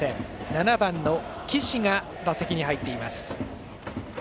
７番の岸が打席に入っています。